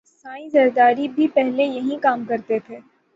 سائیں زرداری بھی پہلے یہئ کام کرتا تھا